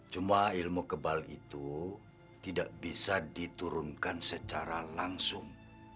cuma ilmu kebal itu tidak bisa diturunkan secara langsung